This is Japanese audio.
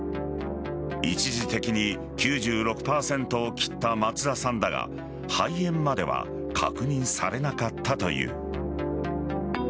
一時的に９６％を切った松田さんだが肺炎までは確認されなかったという。